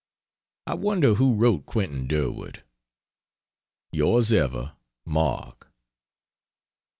I wonder who wrote Quentin Durward? Yrs ever MARK.